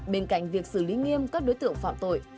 bên cạnh việc xử lý nghiêm các đối tượng phạm tội